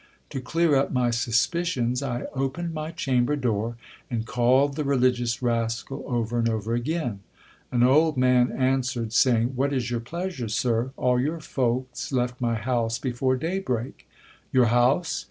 To clear up my suspicions, I opened my chamber door, and called the religious rascal over and over again. An old man answer ed, saying— What is your pleasure, sir? All your folks left my house before day break. Your house